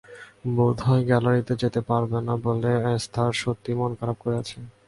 বোধহয় গ্যালারিতে যেতে পারবে না বলে এস্থার সত্যিই মন খারাপ করে আছে।